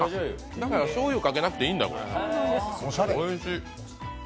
だから、しょうゆをかけなくていいんだ。